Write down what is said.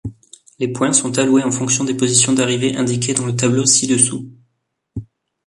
Les points sont alloués en fonction des positions d'arrivée indiquées dans le tableau ci-dessous.